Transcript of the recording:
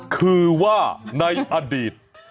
คือว่าในอดีต